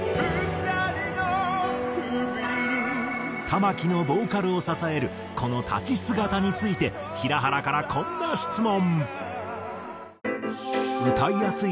玉置のボーカルを支えるこの立ち姿について平原からこんな質問。